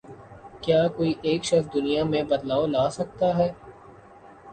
کیا کوئی ایک شخص دنیا میں کوئی بدلاؤ لا سکتا ہے؟